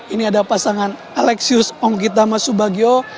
ini ada pasangan alexius ong kitama subagio